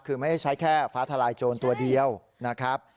คือไม่ได้ใช้แค่ฟ้าทลายโจรตัวเดียวนะครับ